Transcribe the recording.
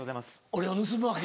俺を盗むわけ？